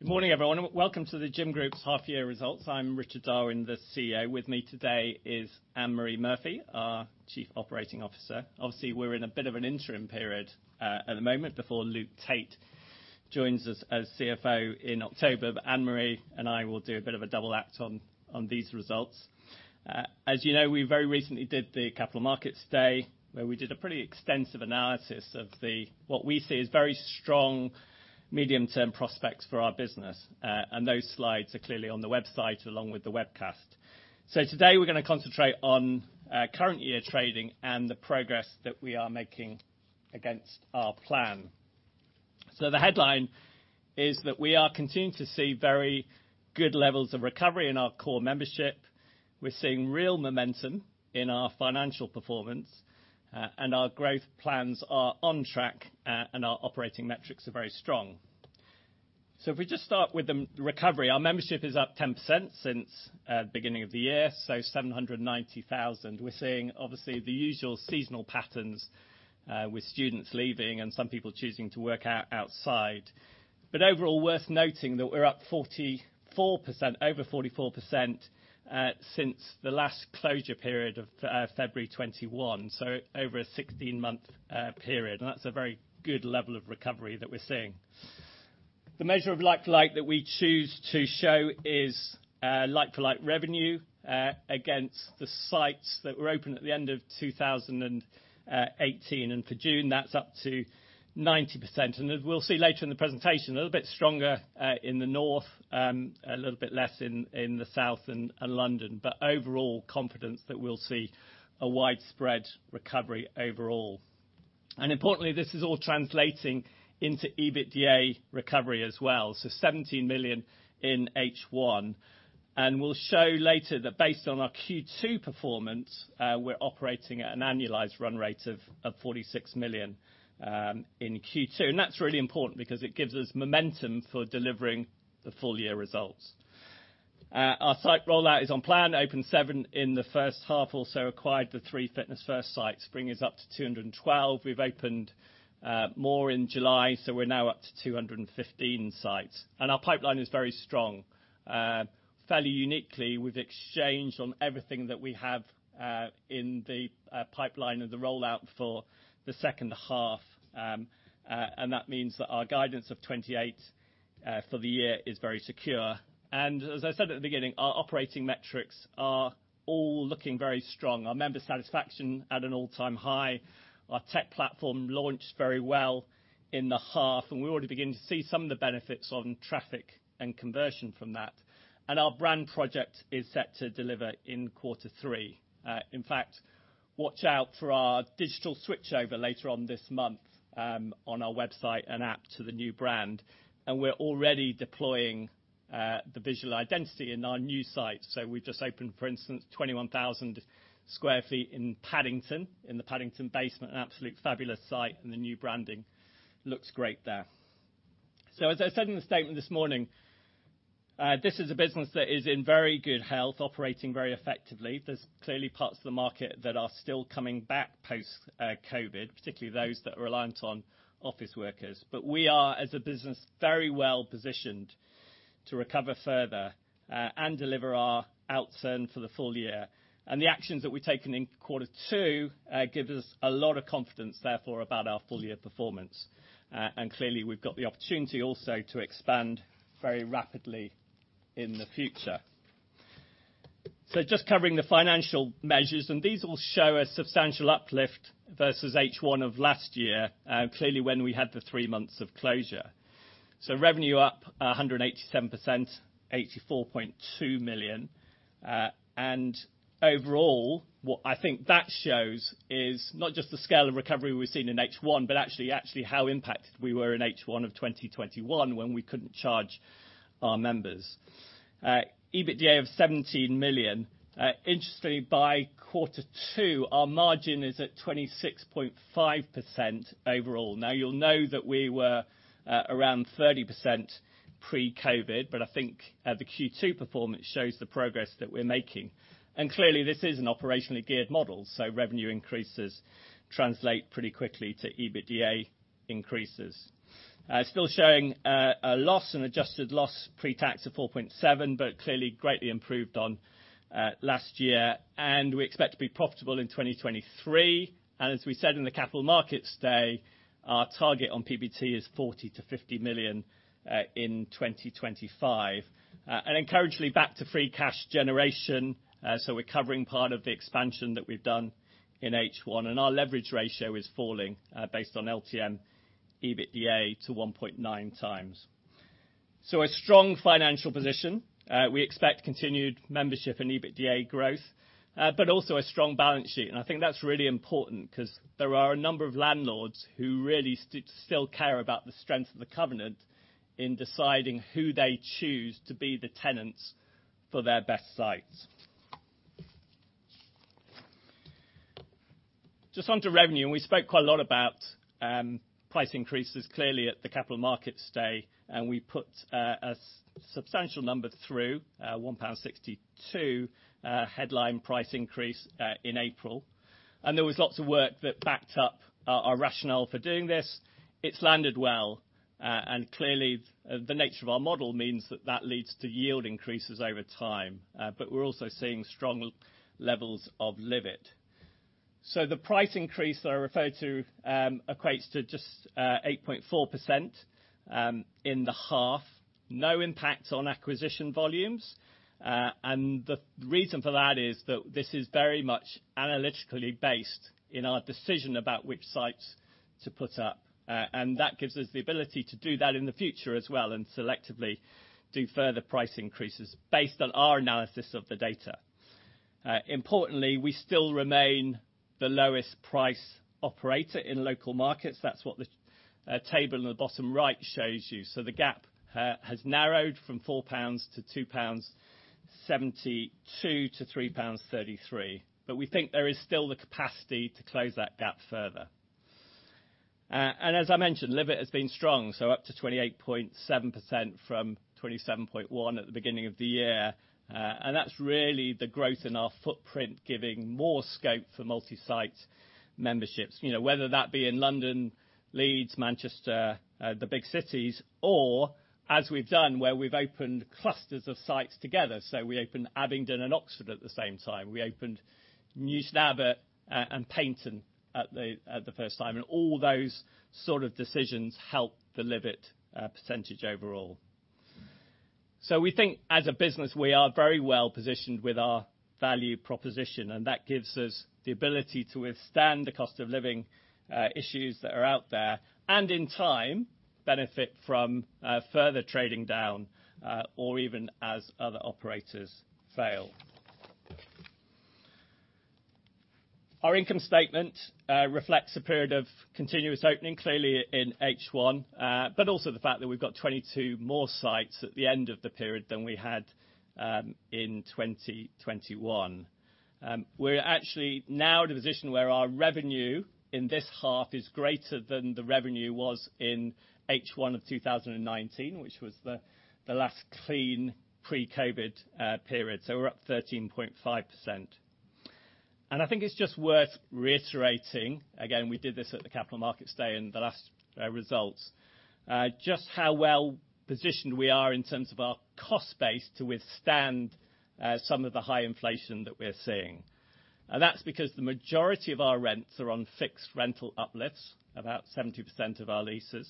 Good morning, everyone, and welcome to The Gym Group's half year results. I'm Richard Darwin, the CEO. With me today is Ann-Marie Murphy, our Chief Operating Officer. Obviously, we're in a bit of an interim period at the moment before Luke Tait joins us as CFO in October. Ann-Marie and I will do a bit of a double act on these results. As you know, we very recently did the Capital Markets Day, where we did a pretty extensive analysis of what we see as very strong medium-term prospects for our business. Those slides are clearly on the website along with the webcast. Today, we're gonna concentrate on current year trading and the progress that we are making against our plan. The headline is that we are continuing to see very good levels of recovery in our core membership. We're seeing real momentum in our financial performance, and our growth plans are on track, and our operating metrics are very strong. If we just start with the recovery, our membership is up 10% since beginning of the year, so 790,000. We're seeing obviously the usual seasonal patterns, with students leaving and some people choosing to work out outside. Overall, worth noting that we're up over 44% since the last closure period of February 2021, so over a 16-month period, and that's a very good level of recovery that we're seeing. The measure of like-for-like that we choose to show is like-for-like revenue against the sites that were open at the end of 2018. For June, that's up to 90%. As we'll see later in the presentation, a little bit stronger in the North, a little bit less in the South and London. Overall confidence that we'll see a widespread recovery overall. Importantly, this is all translating into EBITDA recovery as well. 17 million in H1. We'll show later that based on our Q2 performance, we're operating at an annualized run rate of 46 million in Q2. That's really important because it gives us momentum for delivering the full year results. Our site rollout is on plan. Opened seven in the first half, also acquired the three Fitness First sites, bringing us up to 212. We've opened more in July, so we're now up to 215 sites. Our pipeline is very strong. Fairly uniquely, we've exchanged on everything that we have in the pipeline of the rollout for the second half. That means that our guidance of 28 for the year is very secure. As I said at the beginning, our operating metrics are all looking very strong. Our member satisfaction at an all-time high. Our tech platform launched very well in the half, and we're already beginning to see some of the benefits on traffic and conversion from that. Our brand project is set to deliver in quarter three. In fact, watch out for our digital switchover later on this month on our website and app to the new brand. We're already deploying the visual identity in our new site. We've just opened, for instance, 21,000 sq ft in Paddington, in the Paddington basement, an absolute fabulous site, and the new branding looks great there. As I said in the statement this morning, this is a business that is in very good health, operating very effectively. There's clearly parts of the market that are still coming back post COVID, particularly those that are reliant on office workers. We are, as a business, very well positioned to recover further, and deliver our outturn for the full year. The actions that we've taken in quarter two give us a lot of confidence, therefore, about our full year performance. Clearly, we've got the opportunity also to expand very rapidly in the future. Just covering the financial measures, and these all show a substantial uplift versus H1 of last year, clearly when we had the three months of closure. Revenue up 187%, 84.2 million. And overall, what I think that shows is not just the scale of recovery we've seen in H1, but actually how impacted we were in H1 of 2021 when we couldn't charge our members. EBITDA of 17 million. Interestingly, by quarter two, our margin is at 26.5% overall. Now you'll know that we were around 30% pre-COVID, but I think the Q2 performance shows the progress that we're making. Clearly, this is an operationally geared model, so revenue increases translate pretty quickly to EBITDA increases. Still showing a loss, an adjusted loss pre-tax of 4.7, but clearly greatly improved on last year. We expect to be profitable in 2023. As we said in the Capital Markets Day, our target on PBT is 40 million-50 million in 2025. Encouragingly back to free cash generation, so we're covering part of the expansion that we've done in H1. Our leverage ratio is falling based on LTM EBITDA to 1.9 times. So a strong financial position. We expect continued membership and EBITDA growth, but also a strong balance sheet. I think that's really important 'cause there are a number of landlords who really still care about the strength of the covenant in deciding who they choose to be the tenants for their best sites. Just onto revenue, we spoke quite a lot about price increases clearly at the Capital Markets Day, we put a substantial number through 1.62 pound headline price increase in April. There was lots of work that backed up our rationale for doing this. It's landed well, clearly the nature of our model means that leads to yield increases over time. We're also seeing strong levels of LIVE IT. The price increase that I referred to equates to just 8.4% in the half, no impact on acquisition volumes. The reason for that is that this is very much analytically based on our decision about which sites to put up. That gives us the ability to do that in the future as well and selectively do further price increases based on our analysis of the data. Importantly, we still remain the lowest price operator in local markets. That's what the table in the bottom right shows you. The gap has narrowed from 4 pounds to 2.72 pounds to 3.33 pounds. We think there is still the capacity to close that gap further. As I mentioned, LIVE IT has been strong, so up to 28.7% from 27.1% at the beginning of the year. That's really the growth in our footprint, giving more scope for multi-site memberships. You know, whether that be in London, Leeds, Manchester, the big cities, or as we've done, where we've opened clusters of sites together. We opened Abingdon and Oxford at the same time. We opened Neasden and Paignton at the first time. All those sort of decisions help the LIVE IT percentage overall. We think as a business, we are very well-positioned with our value proposition, and that gives us the ability to withstand the cost of living issues that are out there. In time, benefit from further trading down or even as other operators fail. Our income statement reflects a period of continuous opening, clearly in H1, but also the fact that we've got 22 more sites at the end of the period than we had in 2021. We're actually now at a position where our revenue in this half is greater than the revenue was in H1 of 2019, which was the last clean pre-COVID period. We're up 13.5%. I think it's just worth reiterating, again, we did this at the Capital Markets Day and the last results, just how well-positioned we are in terms of our cost base to withstand some of the high inflation that we're seeing. That's because the majority of our rents are on fixed rental uplifts, about 70% of our leases.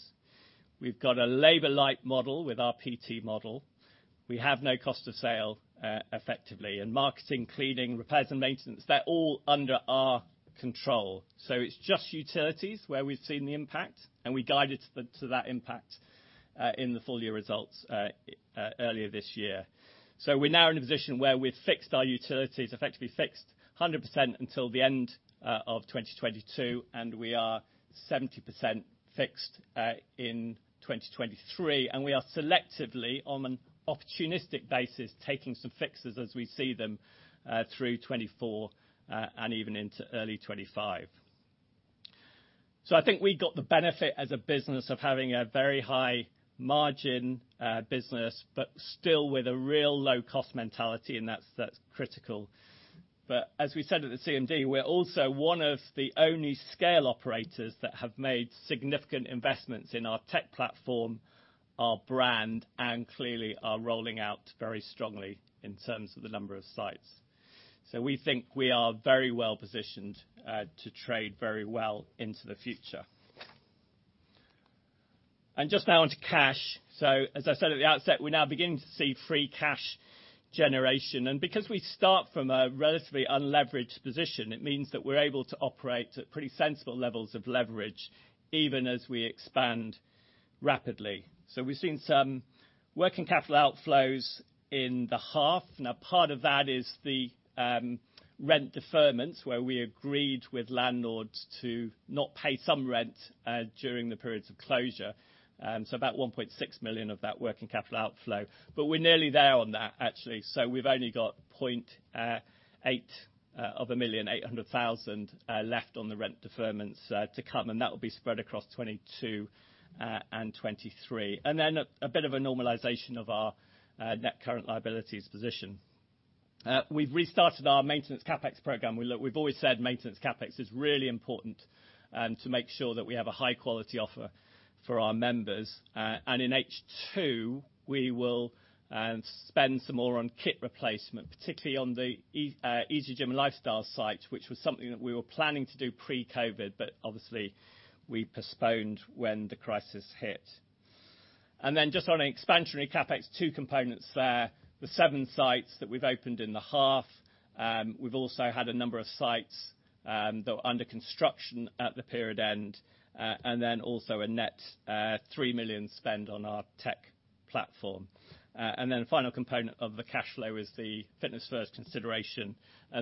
We've got a labor-light model with our PT model. We have no cost of sale, effectively. Marketing, cleaning, repairs and maintenance, they're all under our control.. It's just utilities where we've seen the impact, and we guided to that impact in the full year results earlier this year. We're now in a position where we've fixed our utilities, effectively fixed 100% until the end of 2022, and we are 70% fixed in 2023. We're selectively, on an opportunistic basis, taking some fixes as we see them through 2024 and even into early 2025. I think we got the benefit as a business of having a very high margin business, but still with a real low cost mentality, and that's critical. As we said at the CMD, we're also one of the only scale operators that have made significant investments in our tech platform, our brand, and clearly are rolling out very strongly in terms of the number of sites. We think we are very well-positioned to trade very well into the future. Just now onto cash. As I said at the outset, we're now beginning to see free cash generation. Because we start from a relatively unleveraged position, it means that we're able to operate at pretty sensible levels of leverage, even as we expand rapidly. We've seen some working capital outflows in the half. Now, part of that is the rent deferments, where we agreed with landlords to not pay some rent during the periods of closure. About 1.6 million of that working capital outflow, but we're nearly there on that, actually. We've only got 0.8 of a million, 800,000 left on the rent deferments to come, and that will be spread across 2022 and 2023. A bit of a normalization of our net current liabilities position. We've restarted our maintenance CapEx program. We've always said maintenance CapEx is really important to make sure that we have a high-quality offer for our members. In H2, we will spend some more on kit replacement, particularly on the easyGym lifestyle site, which was something that we were planning to do pre-COVID, but obviously we postponed when the crisis hit. Just on an expansionary CapEx, two components there, the seven sites that we've opened in the half. We've also had a number of sites that were under construction at the period end, and then also a net 3 million spend on our tech platform. The final component of the cash flow is the Fitness First consideration.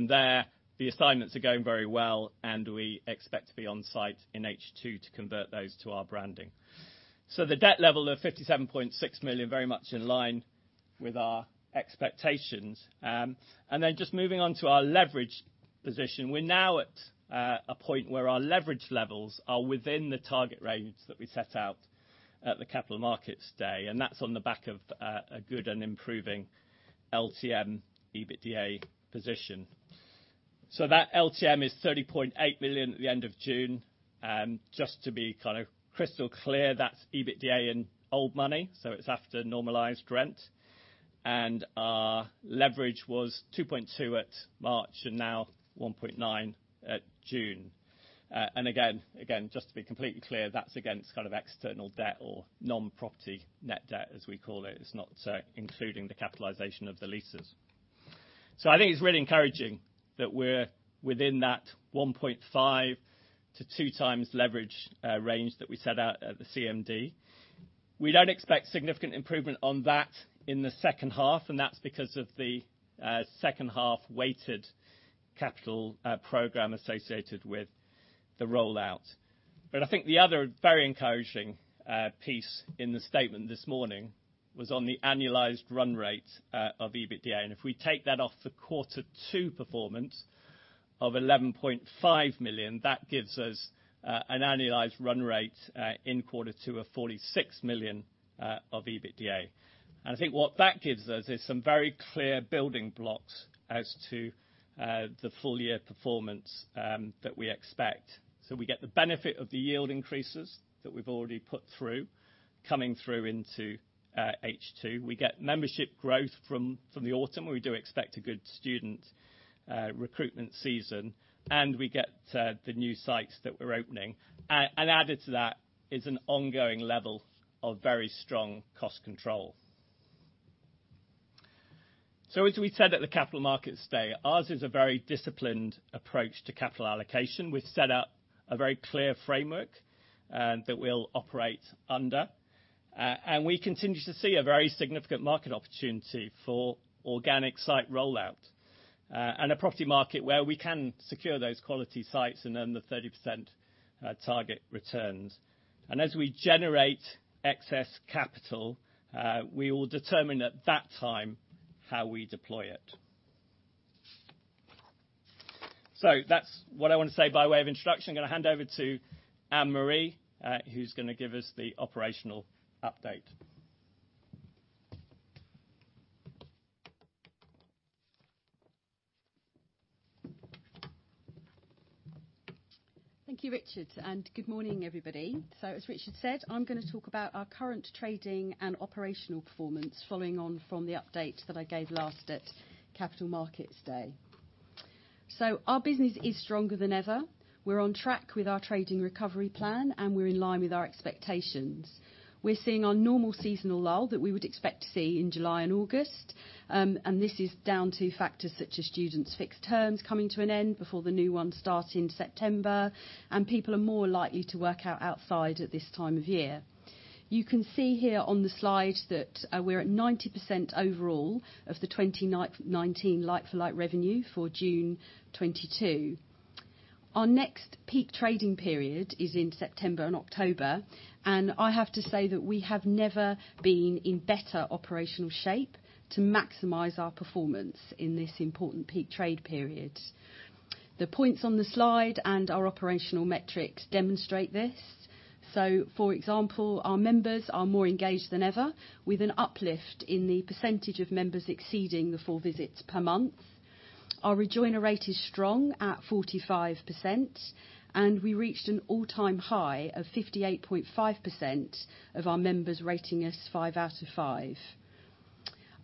There, the assignments are going very well, and we expect to be on site in H2 to convert those to our branding. The debt level of 57.6 million, very much in line with our expectations. Just moving on to our leverage position. We're now at a point where our leverage levels are within the target range that we set out at the Capital Markets Day, and that's on the back of a good and improving LTM EBITDA position. That LTM is 30.8 million at the end of June. Just to be kind of crystal clear, that's EBITDA in old money, so it's after normalized rent. Our leverage was 2.2 at March and now 1.9 at June. Again, just to be completely clear, that's against kind of external debt or non-property net debt, as we call it. It's not including the capitalization of the leases. I think it's really encouraging that we're within that 1.5-2x leverage range that we set out at the CMD. We don't expect significant improvement on that in the second half, and that's because of the second half-weighted capital program associated with the rollout. I think the other very encouraging piece in the statement this morning was on the annualized run rate of EBITDA. If we take that off the quarter two performance of 11.5 million, that gives us an annualized run rate in quarter two of 46 million of EBITDA. I think what that gives us is some very clear building blocks as to the full year performance that we expect. We get the benefit of the yield increases that we've already put through coming through into H2. We get membership growth from the autumn, and we do expect a good student recruitment season, and we get the new sites that we're opening. Added to that is an ongoing level of very strong cost control. As we said at the Capital Markets Day, ours is a very disciplined approach to capital allocation. We've set out a very clear framework that we'll operate under, and we continue to see a very significant market opportunity for organic site rollout, and a property market where we can secure those quality sites and earn the 30% target returns. As we generate excess capital, we will determine at that time how we deploy it. That's what I want to say by way of introduction. I'm gonna hand over to Ann-Marie, who's gonna give us the operational update. Thank you, Richard, and good morning, everybody. As Richard said, I'm gonna talk about our current trading and operational performance following on from the update that I gave last at Capital Markets Day. Our business is stronger than ever. We're on track with our trading recovery plan, and we're in line with our expectations. We're seeing our normal seasonal lull that we would expect to see in July and August, and this is down to factors such as students' fixed terms coming to an end before the new ones start in September, and people are more likely to work out outside at this time of year. You can see here on the slide that we're at 90% overall of the 2019 like-for-like revenue for June 2022. Our next peak trading period is in September and October, and I have to say that we have never been in better operational shape to maximize our performance in this important peak trade period. The points on the slide and our operational metrics demonstrate this. For example, our members are more engaged than ever with an uplift in the percentage of members exceeding the four visits per month. Our rejoiner rate is strong at 45%, and we reached an all-time high of 58.5% of our members rating us five out of five.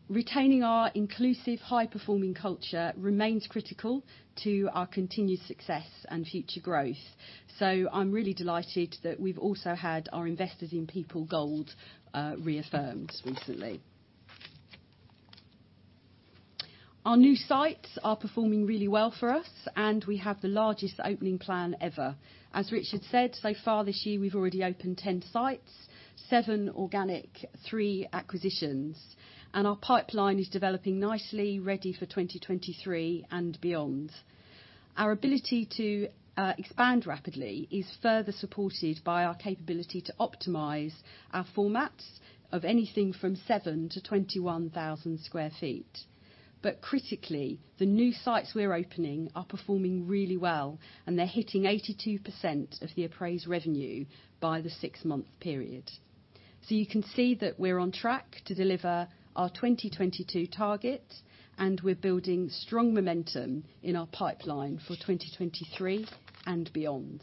Retaining our inclusive, high-performing culture remains critical to our continued success and future growth. I'm really delighted that we've also had our Investors in People Gold reaffirmed recently. Our new sites are performing really well for us, and we have the largest opening plan ever. As Richard said, so far this year, we've already opened 10 sites, seven organic, three acquisitions, and our pipeline is developing nicely ready for 2023 and beyond. Our ability to expand rapidly is further supported by our capability to optimize our formats of anything from 7 to 21,000 sq ft. Critically, the new sites we're opening are performing really well, and they're hitting 82% of the appraised revenue by the six-month period. You can see that we're on track to deliver our 2022 target, and we're building strong momentum in our pipeline for 2023 and beyond.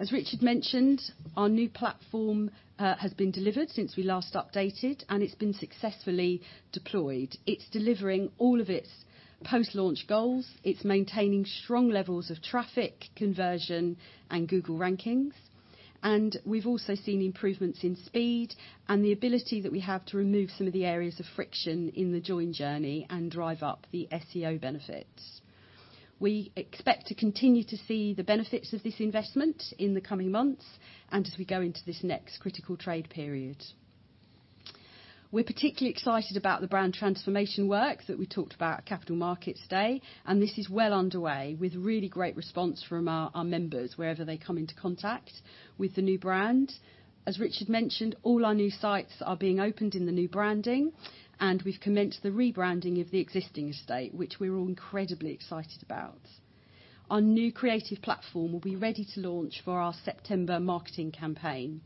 As Richard mentioned, our new platform has been delivered since we last updated, and it's been successfully deployed. It's delivering all of its post-launch goals. It's maintaining strong levels of traffic, conversion, and Google rankings. We've also seen improvements in speed and the ability that we have to remove some of the areas of friction in the join journey and drive up the SEO benefits. We expect to continue to see the benefits of this investment in the coming months and as we go into this next critical trade period. We're particularly excited about the brand transformation work that we talked about at Capital Markets Day, and this is well underway with really great response from our members wherever they come into contact with the new brand. As Richard mentioned, all our new sites are being opened in the new branding, and we've commenced the rebranding of the existing estate, which we're all incredibly excited about. Our new creative platform will be ready to launch for our September marketing campaign,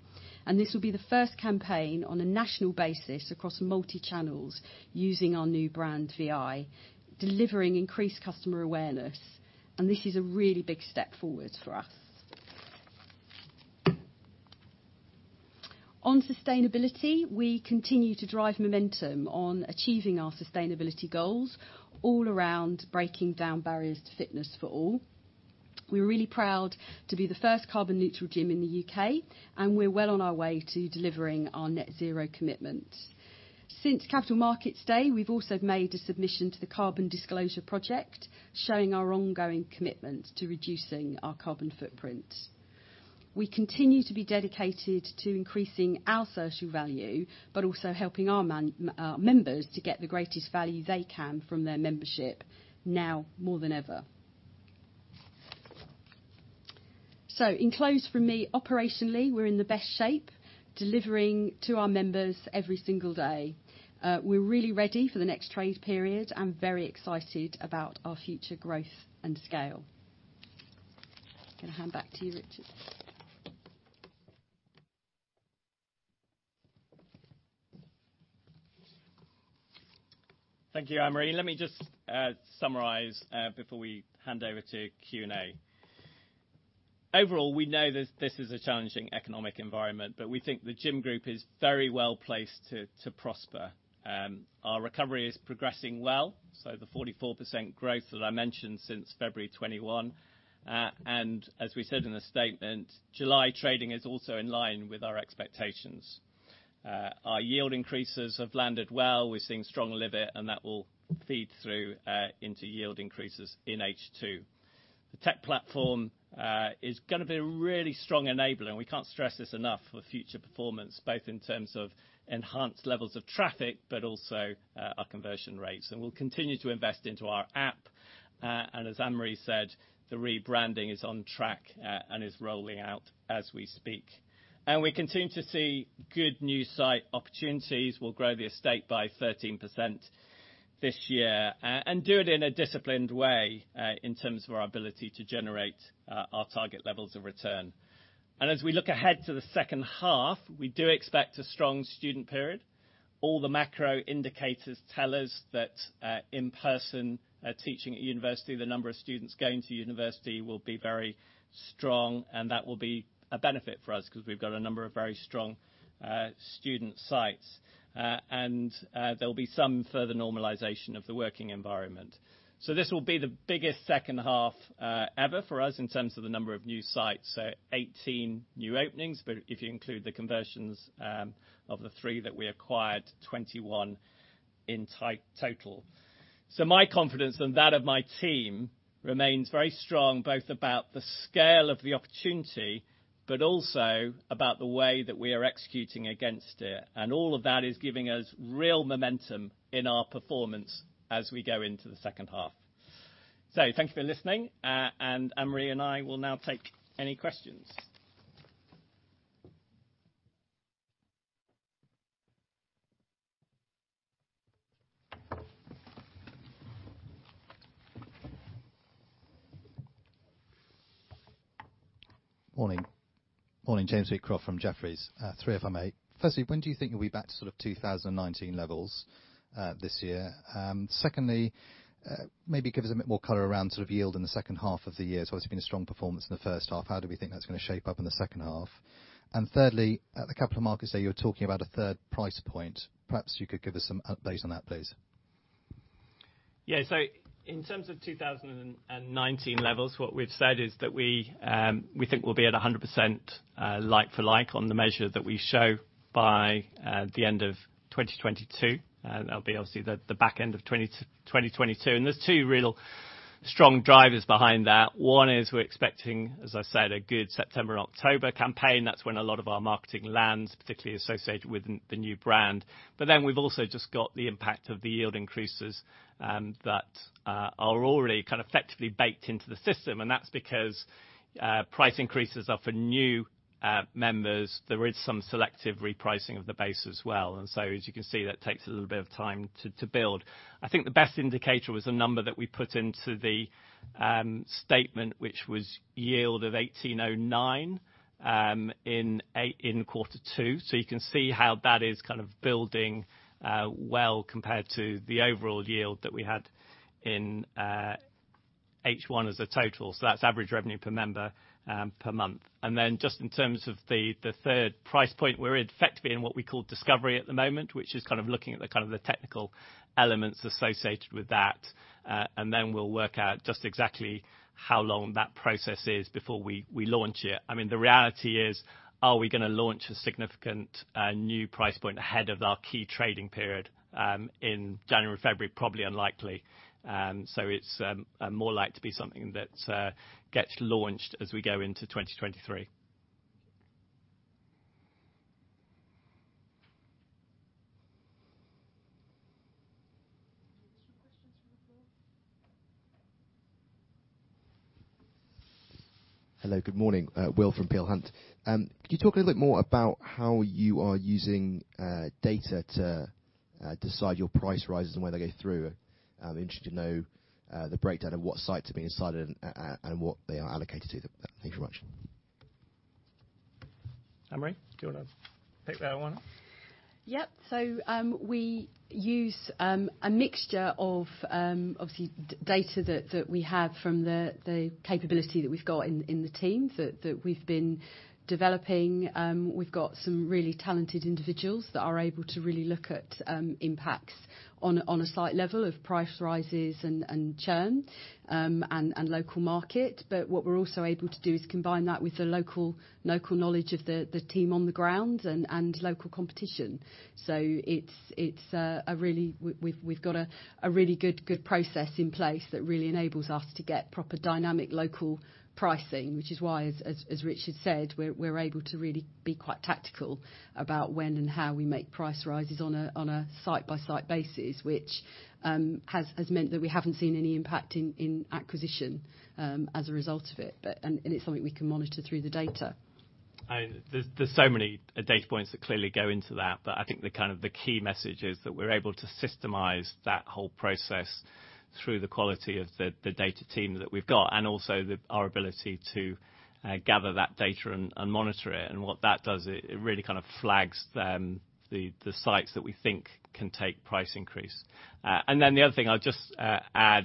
and this will be the first campaign on a national basis across multi-channels using our new brand VI, delivering increased customer awareness, and this is a really big step forward for us. On sustainability, we continue to drive momentum on achieving our sustainability goals all around breaking down barriers to fitness for all. We're really proud to be the first carbon neutral gym in the U.K., and we're well on our way to delivering our net zero commitment. Since Capital Markets Day, we've also made a submission to the Carbon Disclosure Project, showing our ongoing commitment to reducing our carbon footprint. We continue to be dedicated to increasing our social value, but also helping our members to get the greatest value they can from their membership now more than ever. In closing from me, operationally, we're in the best shape, delivering to our members every single day. We're really ready for the next trading period and very excited about our future growth and scale. Just gonna hand back to you, Richard. Thank you, Ann-Marie. Let me just summarize before we hand over to Q&A. Overall, we know this is a challenging economic environment, but we think The Gym Group is very well-placed to prosper. Our recovery is progressing well, so the 44% growth that I mentioned since February of 2021. As we said in the statement, July trading is also in line with our expectations. Our yield increases have landed well. We're seeing strong LIVE IT, and that will feed through into yield increases in H2. The tech platform is gonna be a really strong enabler, and we can't stress this enough for future performance, both in terms of enhanced levels of traffic, but also our conversion rates. We'll continue to invest into our app, and as Ann-Marie said, the rebranding is on track, and is rolling out as we speak. We continue to see good new site opportunities. We'll grow the estate by 13% this year, and do it in a disciplined way, in terms of our ability to generate, our target levels of return. As we look ahead to the second half, we do expect a strong student period. All the macro indicators tell us that, in-person teaching at university, the number of students going to university will be very strong, and that will be a benefit for us because we've got a number of very strong, student sites. There'll be some further normalization of the working environment. This will be the biggest second half ever for us in terms of the number of new sites. Eighteen new openings, but if you include the conversions of the three that we acquired, 21 in total. My confidence and that of my team remains very strong, both about the scale of the opportunity, but also about the way that we are executing against it. All of that is giving us real momentum in our performance as we go into the second half. Thank you for listening, and Ann-Marie and I will now take any questions. Morning. Morning, James Wheatcroft from Jefferies. Three if I may. Firstly, when do you think you'll be back to sort of 2019 levels this year? Secondly, maybe give us a bit more color around sort of yield in the second half of the year. It's obviously been a strong performance in the first half. How do we think that's gonna shape up in the second half? Thirdly, at the Capital Markets Day, you were talking about a third price point. Perhaps you could give us some update on that, please. Yeah. In terms of 2019 levels, what we've said is that we think we'll be at 100%, like-for-like on the measure that we show by the end of 2022. That'll be obviously the back end of 2022. There's two real strong drivers behind that. One is we're expecting, as I said, a good September, October campaign. That's when a lot of our marketing lands, particularly associated with the new brand. We've also just got the impact of the yield increases that are already kind of effectively baked into the system. That's because price increases are for new members. There is some selective repricing of the base as well. As you can see, that takes a little bit of time to build. I think the best indicator was a number that we put into the statement which was yield of 18.09 in quarter two. You can see how that is kind of building, well compared to the overall yield that we had in H1 as a total. That's average revenue per member per month. Then just in terms of the third price point, we're effectively in what we call discovery at the moment, which is kind of looking at the kind of the technical elements associated with that. Then we'll work out just exactly how long that process is before we launch it. I mean, the reality is, are we gonna launch a significant new price point ahead of our key trading period in January, February? Probably unlikely. It's more like to be something that gets launched as we go into 2023. Any additional questions from the floor? Hello, good morning. Will from Peel Hunt. Can you talk a little bit more about how you are using data to decide your price rises and where they go through? I'm interested to know the breakdown of what sites are being decided and what they are allocated to. Thank you very much. Ann-Marie, do you wanna pick that one up? Yep. We use a mixture of obviously data that we have from the capability that we've got in the team that we've been developing. We've got some really talented individuals that are able to really look at impacts on a site level of price rises and churn and local market. But what we're also able to do is combine that with the local knowledge of the team on the ground and local competition. It's a really. We've got a really good process in place that really enables us to get proper dynamic local pricing, which is why, as Richard said, we're able to really be quite tactical about when and how we make price rises on a site-by-site basis, which has meant that we haven't seen any impact in acquisition as a result of it. It's something we can monitor through the data. There's so many data points that clearly go into that, but I think the kind of the key message is that we're able to systemize that whole process through the quality of the data team that we've got, and also our ability to gather that data and monitor it. What that does, it really kind of flags the sites that we think can take price increase. Then the other thing I'll just add,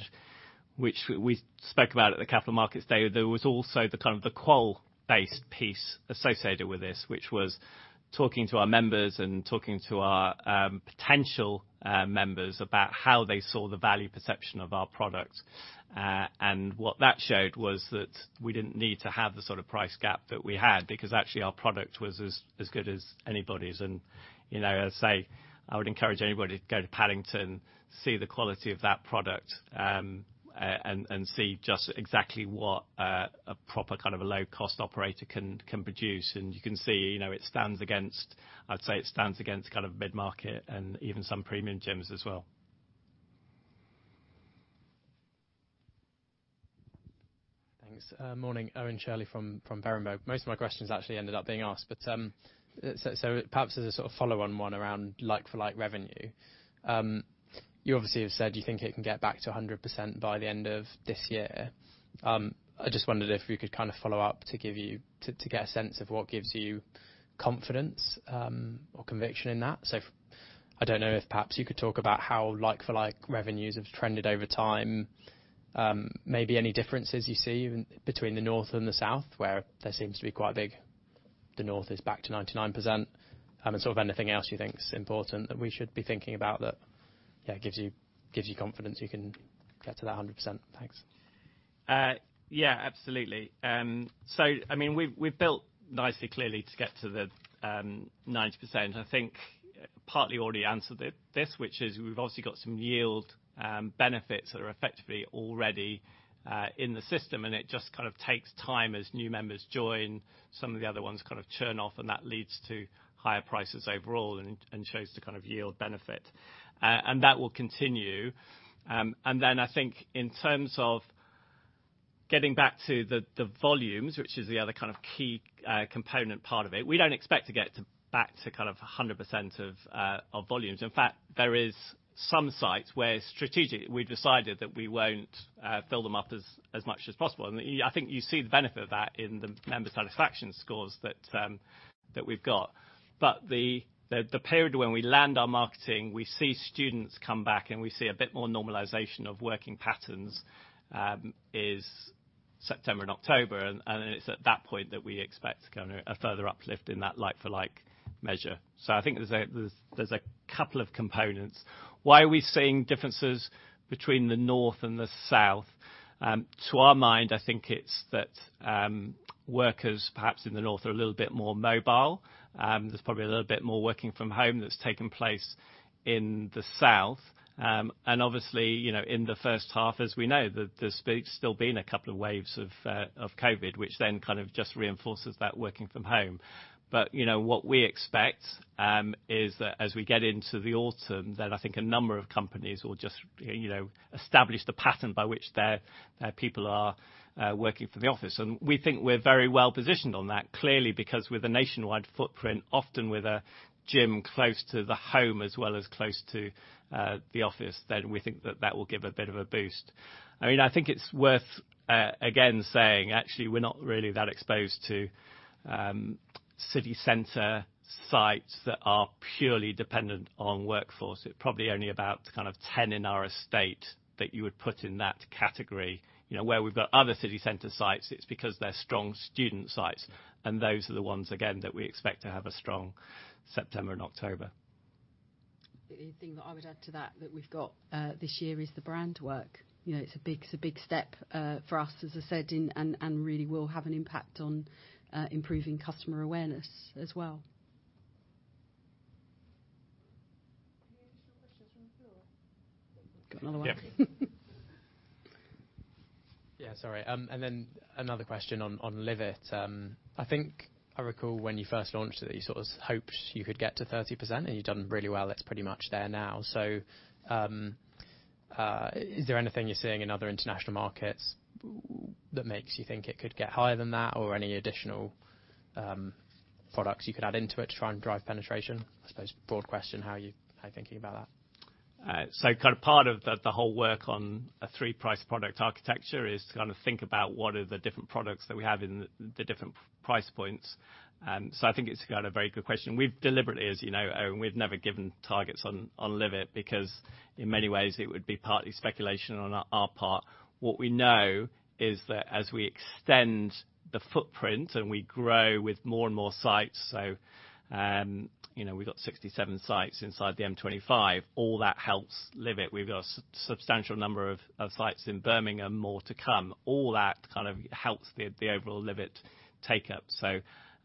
which we spoke about at the Capital Markets Day, there was also the kind of the qual-based piece associated with this, which was talking to our members and talking to our potential members about how they saw the value perception of our product. What that showed was that we didn't need to have the sort of price gap that we had because actually, our product was as good as anybody's. You know, as I say, I would encourage anybody to go to Paddington, see the quality of that product, and see just exactly what a proper kind of a low-cost operator can produce. You can see, you know, it stands against. I'd say it stands against kind of mid-market and even some premium gyms as well. Thanks. Morning. Owen Shirley from Berenberg. Most of my questions actually ended up being asked, but perhaps as a sort of follow-on one around like-for-like revenue. You obviously have said you think it can get back to 100% by the end of this year. I just wondered if you could kind of follow up to get a sense of what gives you confidence or conviction in that. I don't know if perhaps you could talk about how like-for-like revenues have trended over time. Maybe any differences you see between the north and the south, where there seems to be quite big. The north is back to 99%. Sort of anything else you think is important that we should be thinking about that, yeah, gives you confidence you can get to that 100%. Thanks. Yeah, absolutely. I mean, we've built nicely, clearly to get to the 90%. I think partly already answered this, which is we've obviously got some yield benefits that are effectively already in the system, and it just kind of takes time as new members join, some of the other ones kind of churn off, and that leads to higher prices overall and shows the kind of yield benefit. That will continue. I think in terms of getting back to the volumes, which is the other kind of key component part of it, we don't expect to get back to kind of 100% of volumes. In fact, there is some sites where strategically, we've decided that we won't fill them up as much as possible. I think you see the benefit of that in the member satisfaction scores that we've got. The period when we launch our marketing, we see students come back, and we see a bit more normalization of working patterns, is September and October. It's at that point that we expect kind of a further uplift in that like-for-like measure. I think there's a couple of components. Why are we seeing differences between the north and the south? To our mind, I think it's that workers perhaps in the north are a little bit more mobile. There's probably a little bit more working from home that's taken place in the south. Obviously, you know, in the first half, as we know, there's still been a couple of waves of COVID, which then kind of just reinforces that working from home. You know, what we expect is that as we get into the autumn, then I think a number of companies will just, you know, establish the pattern by which their people are working from the office. We think we're very well positioned on that, clearly because with a nationwide footprint, often with a gym close to the home as well as close to the office, then we think that will give a bit of a boost. I mean, I think it's worth again saying, actually we're not really that exposed to city center sites that are purely dependent on workforce. It's probably only about kind of 10 in our estate that you would put in that category. You know, where we've got other city center sites, it's because they're strong student sites, and those are the ones, again, that we expect to have a strong September and October. The only thing that I would add to that we've got this year is the brand work. You know, it's a big step for us, as I said, and really will have an impact on improving customer awareness as well. Any additional questions from the floor? Got another one. Yeah. Yeah, sorry. Then another question on LIVE IT. I think I recall when you first launched it, you sort of hoped you could get to 30%, and you've done really well. It's pretty much there now. Is there anything you're seeing in other international markets that makes you think it could get higher than that? Or any additional products you could add into it to try and drive penetration? I suppose broad question, how are you thinking about that? Kind of part of the whole work on a three-price product architecture is to kind of think about what are the different products that we have in the different price points. I think it's kind of very good question. We've deliberately, as you know, Owen, we've never given targets on LIVE IT because in many ways it would be partly speculation on our part. What we know is that as we extend the footprint and we grow with more and more sites, you know, we've got 67 sites inside the M25, all that helps LIVE IT. We've got substantial number of sites in Birmingham, more to come. All that kind of helps the overall LIVE IT take up.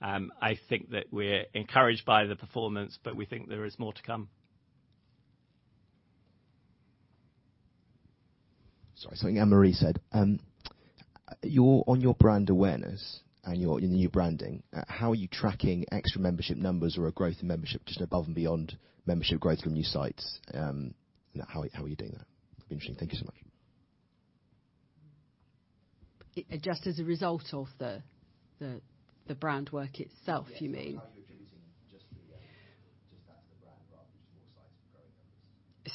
I think that we're encouraged by the performance, but we think there is more to come. Sorry. Something Ann-Marie said. You're on your brand awareness and your new branding, how are you tracking extra membership numbers or a growth in membership just above and beyond membership growth from new sites? How are you doing that? It'd be interesting. Thank you so much. Just as a result of the brand work itself, you mean? Yes.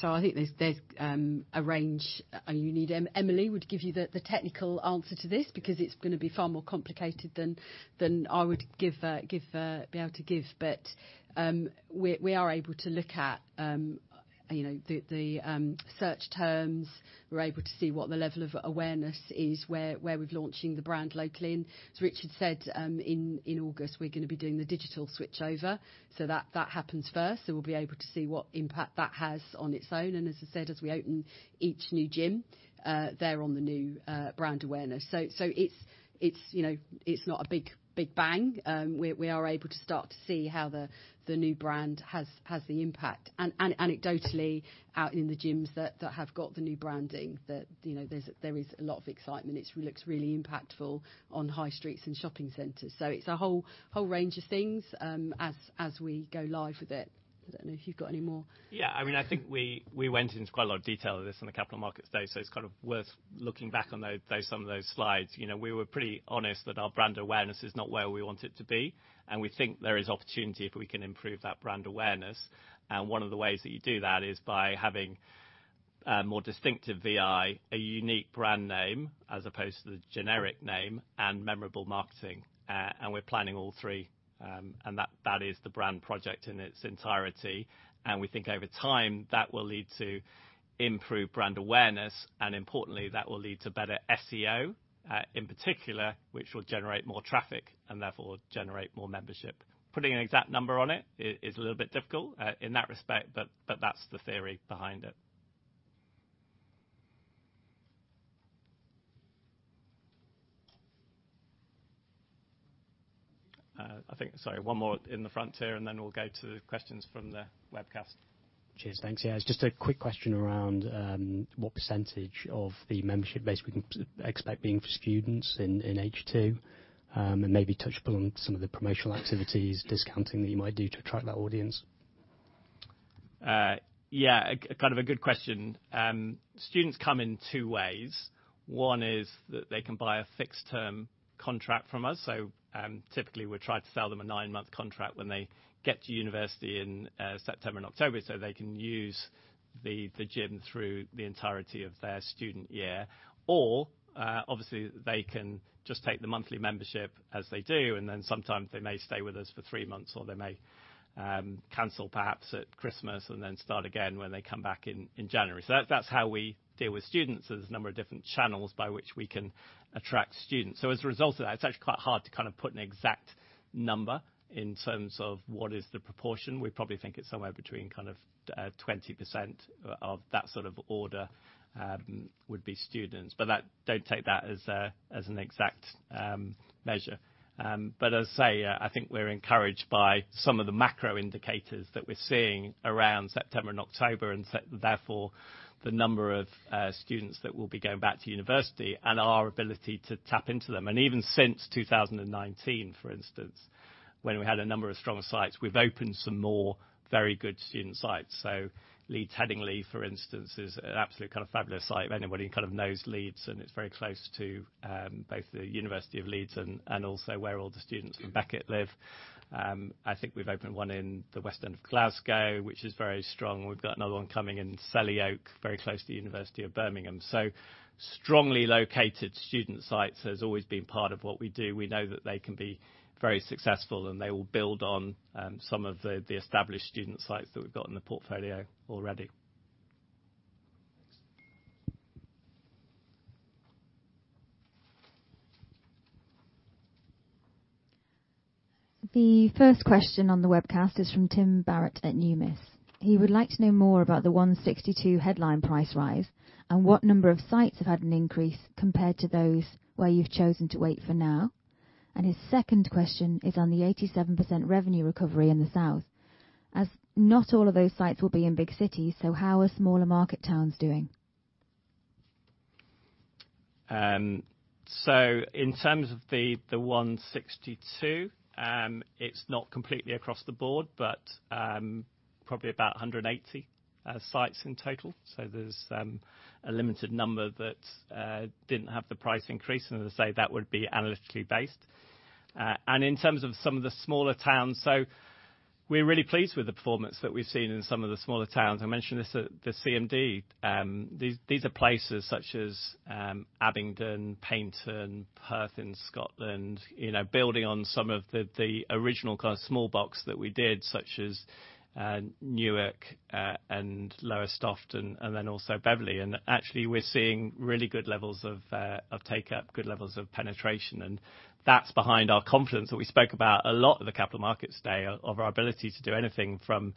How you're attributing just that to the brand rather than just more sites growing numbers? I think there's a range you need. Emily would give you the technical answer to this because it's gonna be far more complicated than I would be able to give. We are able to look at you know the search terms. We're able to see what the level of awareness is where we're launching the brand locally. As Richard said, in August, we're gonna be doing the digital switch over so that happens first. We'll be able to see what impact that has on its own. As I said, as we open each new gym, they're on the new brand awareness. It's you know it's not a big bang. We are able to start to see how the new brand has the impact. Anecdotally out in the gyms that have got the new branding, you know, there is a lot of excitement. It looks really impactful on high streets and shopping centers. It's a whole range of things as we go live with it. I don't know if you've got any more. Yeah, I mean, I think we went into quite a lot of detail of this on the Capital Markets Day, so it's kind of worth looking back on those some of those slides. You know, we were pretty honest that our brand awareness is not where we want it to be, and we think there is opportunity if we can improve that brand awareness. One of the ways that you do that is by having more distinctive VI, a unique brand name as opposed to the generic name and memorable marketing. We're planning all three. That is the brand project in its entirety. We think over time that will lead to improved brand awareness and importantly, that will lead to better SEO in particular, which will generate more traffic and therefore generate more membership. Putting an exact number on it is a little bit difficult in that respect, but that's the theory behind it. Sorry, one more in the front here, and then we'll go to questions from the webcast. Cheers. Thanks. Yeah, just a quick question around what percentage of the membership base we can expect being for students in H2? Maybe touch upon some of the promotional activities, discounting that you might do to attract that audience. A kind of good question. Students come in two ways. One is that they can buy a fixed term contract from us. Typically we try to sell them a nine-month contract when they get to university in September and October, so they can use the gym through the entirety of their student year. Obviously they can just take the monthly membership as they do, and then sometimes they may stay with us for three months or they may cancel perhaps at Christmas and then start again when they come back in January. That, that's how we deal with students. There's a number of different channels by which we can attract students. As a result of that, it's actually quite hard to kind of put an exact number in terms of what is the proportion. We probably think it's somewhere between kind of, 20% of that sort of order, would be students. That, don't take that as an exact measure. I think we're encouraged by some of the macro indicators that we're seeing around September and October, therefore the number of students that will be going back to university and our ability to tap into them. Even since 2019, for instance, when we had a number of strong sites, we've opened some more very good student sites. Leeds Headingley, for instance, is an absolute kind of fabulous site if anybody kind of knows Leeds, and it's very close to both the University of Leeds and also where all the students from Beckett live. I think we've opened one in the West End of Glasgow, which is very strong. We've got another one coming in Selly Oak, very close to the University of Birmingham. Strongly located student sites has always been part of what we do. We know that they can be very successful, and they will build on some of the established student sites that we've got in the portfolio already. Thanks. The first question on the webcast is from Tim Barrett at Numis. He would like to know more about the 162 headline price rise and what number of sites have had an increase compared to those where you've chosen to wait for now. His second question is on the 87% revenue recovery in the South, as not all of those sites will be in big cities. How are smaller market towns doing? In terms of the 162, it's not completely across the board, but probably about 180 sites in total. There's a limited number that didn't have the price increase, and as I say, that would be analytically based. In terms of some of the smaller towns, we're really pleased with the performance that we've seen in some of the smaller towns. I mentioned this at the CMD. These are places such as Abingdon, Paignton, Perth in Scotland, you know, building on some of the original kind of small box that we did, such as Newark and Lowestoft, and then also Beverley. Actually, we're seeing really good levels of take-up, good levels of penetration, and that's behind our confidence that we spoke about a lot at the Capital Markets Day of our ability to do anything from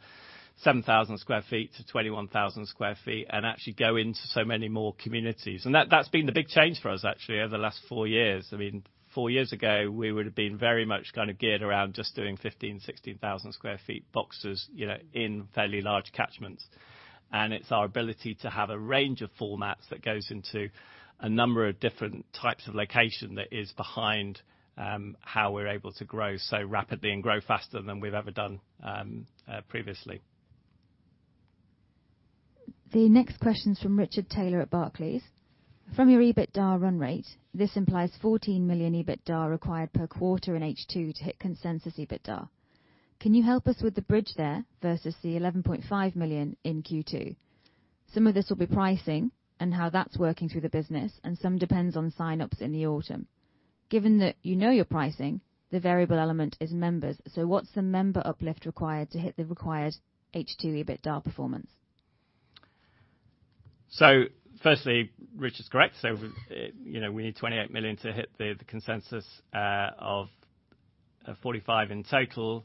7,000 sq ft to 21,000 sq ft and actually go into so many more communities. That's been the big change for us actually over the last four years. I mean, four years ago, we would've been very much kind of geared around just doing 15,000 sq ft to 16,000 sq ft boxes, you know, in fairly large catchments. It's our ability to have a range of formats that goes into a number of different types of location that is behind how we're able to grow so rapidly and grow faster than we've ever done previously. The next question is from Richard Taylor at Barclays. From your EBITDA run rate, this implies 14 million EBITDA required per quarter in H2 to hit consensus EBITDA. Can you help us with the bridge there versus the 11.5 million in Q2? Some of this will be pricing and how that's working through the business, and some depends on sign-ups in the autumn. Given that you know your pricing, the variable element is members, so what's the member uplift required to hit the required H2 EBITDA performance? Firstly, Richard's correct. You know, we need 28 million to hit the consensus of 45 million in total.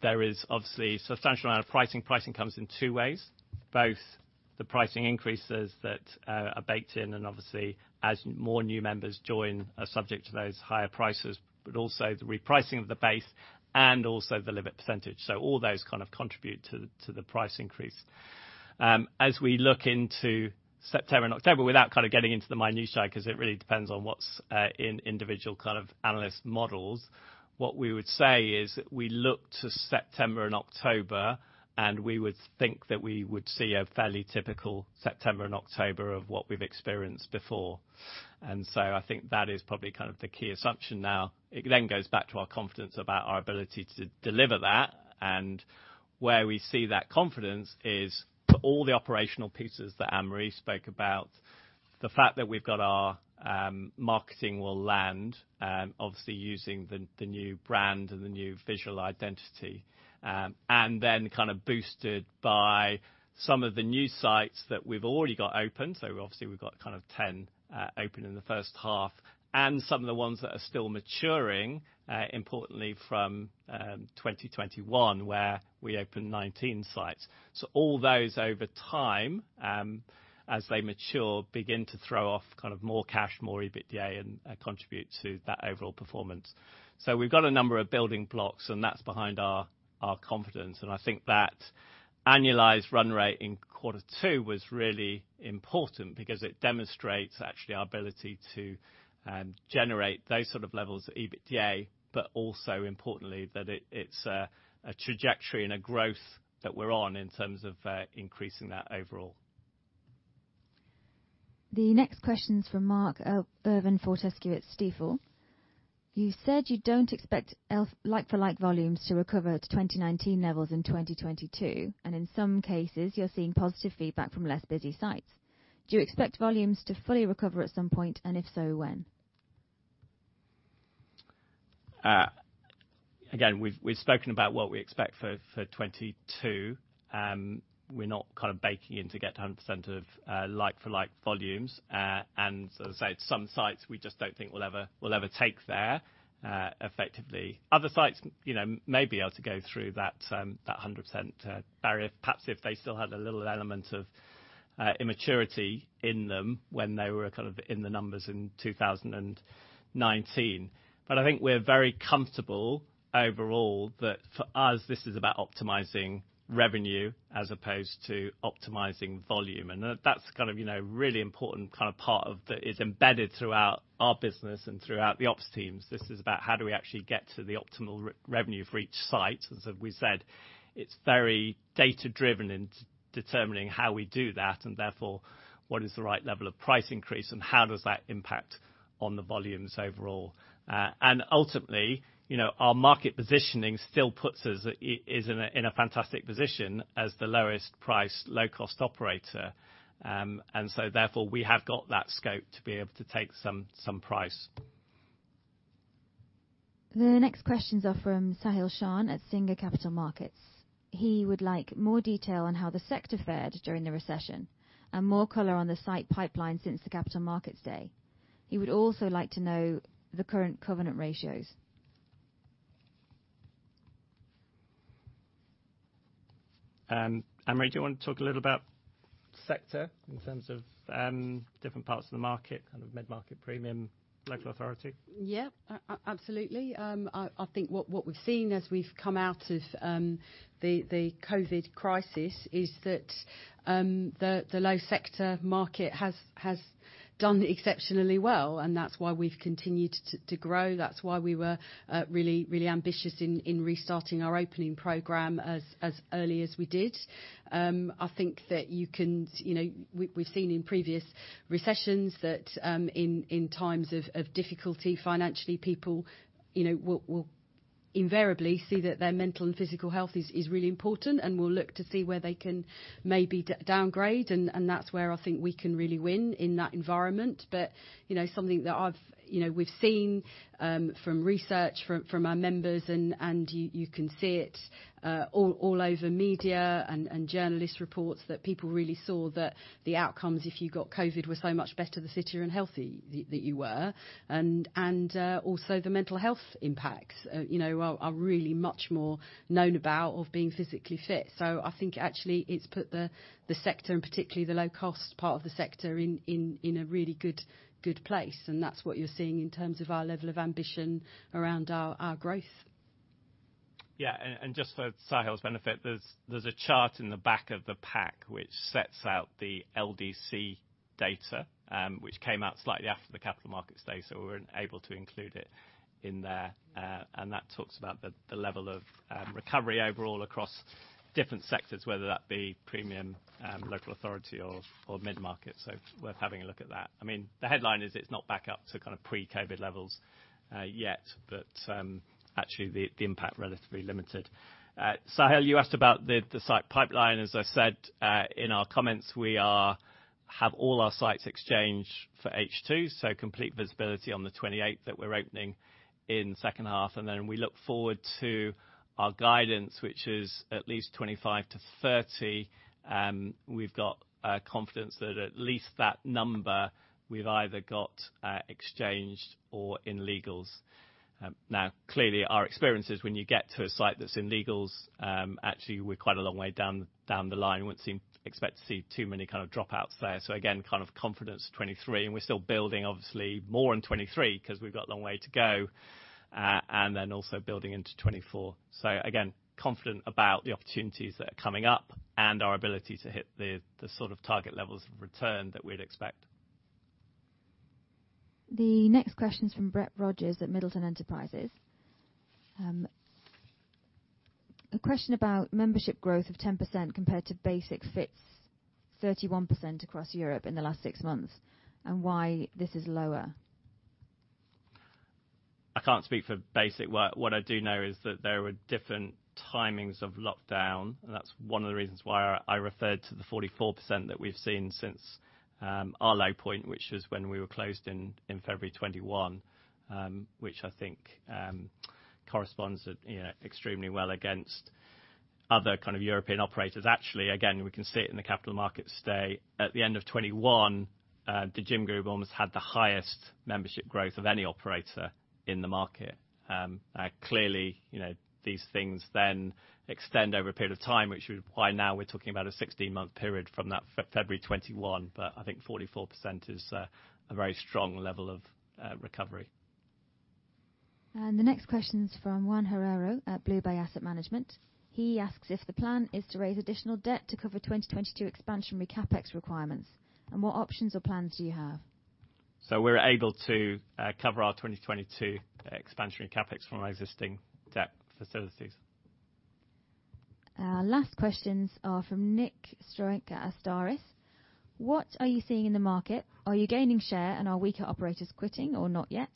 There is obviously substantial amount of pricing. Pricing comes in two ways, both the pricing increases that are baked in and obviously as more new members join are subject to those higher prices, but also the repricing of the base and also the lift percentage. All those kind of contribute to the price increase. As we look into September and October, without kind of getting into the minutiae 'cause it really depends on what's in individual kind of analyst models, what we would say is that we look to September and October, and we would think that we would see a fairly typical September and October of what we've experienced before. I think that is probably kind of the key assumption now. It then goes back to our confidence about our ability to deliver that. Where we see that confidence is for all the operational pieces that Ann-Marie spoke about, the fact that we've got our marketing will land, obviously using the new brand and the new visual identity, and then kind of boosted by some of the new sites that we've already got open. Obviously we've got kind of 10 open in the first half and some of the ones that are still maturing, importantly from 2021 where we opened 19 sites. All those over time, as they mature, begin to throw off kind of more cash, more EBITDA, and contribute to that overall performance. We've got a number of building blocks, and that's behind our confidence, and I think that annualized run rate in quarter two was really important because it demonstrates actually our ability to generate those sort of levels of EBITDA, but also importantly that it's a trajectory and a growth that we're on in terms of increasing that overall. The next question's from Mark Irvine-Fortescue at Stifel. You said you don't expect like-for-like volumes to recover to 2019 levels in 2022, and in some cases, you're seeing positive feedback from less busy sites. Do you expect volumes to fully recover at some point, and if so, when? Again, we've spoken about what we expect for 2022. We're not kind of baking in to get 100% of like-for-like volumes. And as I say, at some sites, we just don't think we'll ever get there effectively. Other sites, you know, may be able to go through that 100% barrier, perhaps if they still had a little element of immaturity in them when they were kind of in the numbers in 2019. But I think we're very comfortable overall that for us this is about optimizing revenue as opposed to optimizing volume. And that's kind of, you know, really important kind of part of the. It's embedded throughout our business and throughout the ops teams. This is about how do we actually get to the optimal revenue for each site? As we said, it's very data-driven in determining how we do that and therefore what is the right level of price increase and how does that impact on the volumes overall. Ultimately, you know, our market positioning still puts us in a fantastic position as the lowest price, low-cost operator. We have got that scope to be able to take some price. The next questions are from Sahil Shah at Singer Capital Markets. He would like more detail on how the sector fared during the recession and more color on the site pipeline since the Capital Markets Day. He would also like to know the current covenant ratios. Anne-Marie, do you want to talk a little about sector in terms of, different parts of the market, kind of mid-market premium, local authority? Absolutely. I think what we've seen as we've come out of the COVID crisis is that the low-cost sector market has done exceptionally well, and that's why we've continued to grow. That's why we were really ambitious in restarting our opening program as early as we did. I think, you know, we've seen in previous recessions that in times of difficulty financially, people, you know, will invariably see that their mental and physical health is really important and will look to see where they can maybe downgrade, and that's where I think we can really win in that environment. You know, we've seen from research from our members and you can see it all over media and journalist reports that people really saw that the outcomes, if you got COVID, were so much better the fitter and healthier that you were. Also the mental health impacts, you know, are really much more known about of being physically fit. I think actually it's put the sector, and particularly the low cost part of the sector in a really good place, and that's what you're seeing in terms of our level of ambition around our growth. Just for Sahil's benefit, there is a chart in the back of the pack which sets out the LDC data, which came out slightly after the Capital Markets Day, so we weren't able to include it in there. That talks about the level of recovery overall across different sectors, whether that be premium, local authority or mid-market. It's worth having a look at that. I mean, the headline is it's not back up to kind of pre-COVID levels yet, but actually the impact relatively limited. Sahil, you asked about the site pipeline. As I said, in our comments, we have all our sites exchanged for H2, so complete visibility on the 28 that we're opening in second half. We look forward to our guidance, which is at least 25 to 30. We've got confidence that at least that number we've either got exchanged or in legals. Now, clearly our experience is when you get to a site that's in legals, actually we're quite a long way down the line. Wouldn't expect to see too many kind of dropouts there. Again, kind of confidence 23, and we're still building obviously more in 2023 'cause we've got a long way to go. Also building into 2024. Again, confident about the opportunities that are coming up and our ability to hit the sort of target levels of return that we'd expect. The next question's from Brett Rogers at Middleton Enterprises. A question about membership growth of 10% compared to Basic-Fit's 31% across Europe in the last six months, and why this is lower. I can't speak for Basic-Fit. What I do know is that there were different timings of lockdown, and that's one of the reasons why I referred to the 44% that we've seen since our low point, which was when we were closed in February 2021, which I think corresponds, you know, extremely well against other kind of European operators. Actually, again, we can see it in the Capital Markets Day, at the end of 2021, The Gym Group almost had the highest membership growth of any operator in the market. Clearly, you know, these things then extend over a period of time, which would be why now we're talking about a 16-month period from that February 2021, but I think 44% is a very strong level of recovery. The next question's from Juan Herrero at BlueBay Asset Management. He asks if the plan is to raise additional debt to cover 2022 expansionary CapEx requirements, and what options or plans do you have? We're able to cover our 2022 expansionary CapEx from our existing debt facilities. Our last questions are from Nick Stroink at Astaris. What are you seeing in the market? Are you gaining share, and are weaker operators quitting or not yet?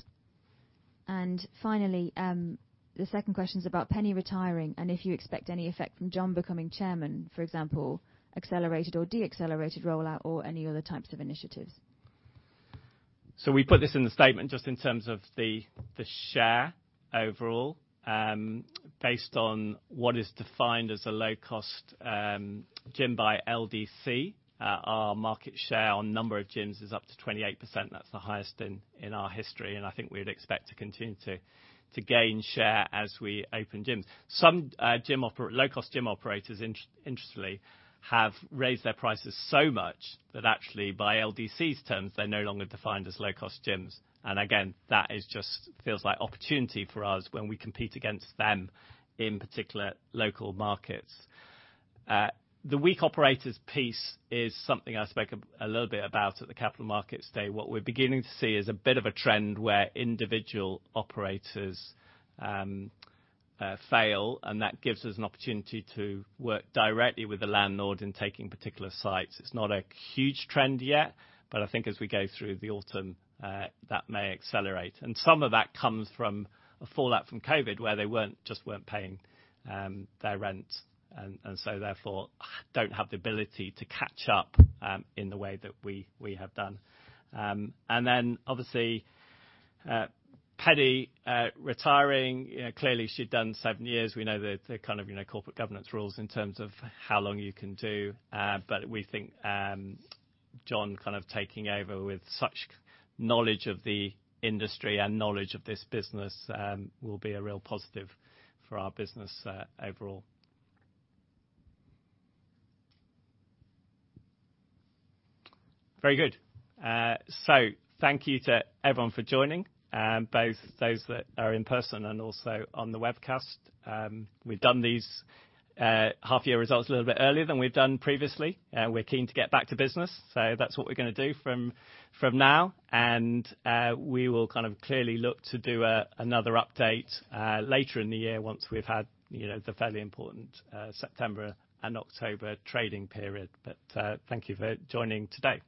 Finally, the second question's about Penny retiring and if you expect any effect from John becoming chairman, for example, accelerated or deaccelerated rollout or any other types of initiatives. We put this in the statement just in terms of the share overall. Based on what is defined as a low cost gym by LDC, our market share on number of gyms is up to 28%. That's the highest in our history, and I think we'd expect to continue to gain share as we open gyms. Some low cost gym operators interestingly have raised their prices so much that actually by LDC's terms, they're no longer defined as low cost gyms. Again, that just feels like opportunity for us when we compete against them, in particular local markets. The weak operators piece is something I spoke a little bit about at the Capital Markets Day. What we're beginning to see is a bit of a trend where individual operators fail, and that gives us an opportunity to work directly with the landlord in taking particular sites. It's not a huge trend yet, but I think as we go through the autumn, that may accelerate. Some of that comes from a fallout from COVID, where they weren't just paying their rent and so therefore don't have the ability to catch up in the way that we have done. Then obviously, Penny retiring. You know, clearly she'd done seven years. We know the kind of corporate governance rules in terms of how long you can do. We think John kind of taking over with such knowledge of the industry and knowledge of this business will be a real positive for our business overall. Very good. Thank you to everyone for joining both those that are in person and also on the webcast. We've done these half year results a little bit earlier than we've done previously. We're keen to get back to business, so that's what we're gonna do from now. We will kind of clearly look to do another update later in the year once we've had you know the fairly important September and October trading period. Thank you for joining today. Thank you.